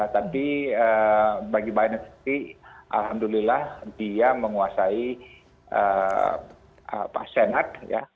tapi bagi biden sendiri alhamdulillah dia menguasai senat